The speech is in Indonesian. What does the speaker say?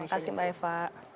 terima kasih mbak eva